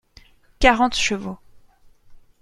Quarante chevaux.